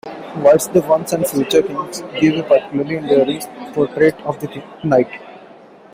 White's "The Once and Future King" gives a particularly endearing portrait of the knight.